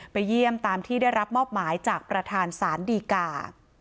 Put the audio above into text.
เยี่ยมตามที่ได้รับมอบหมายจากประธานศาลดีกา